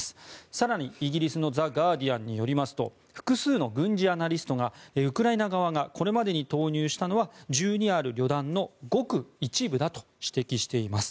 更に、イギリスのザ・ガーディアンによりますと複数の軍事アナリストがウクライナ側がこれまでに投入したのは１２ある旅団のごく一部だと指摘しています。